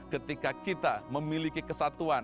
ketika kita memiliki kesatuan